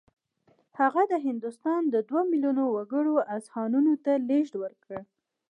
هغه د هندوستان د دوه میلیونه وګړو اذهانو ته لېږد ورکړ